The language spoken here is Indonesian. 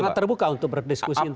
sangat terbuka untuk berdiskusi